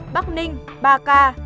bắc ninh ba ca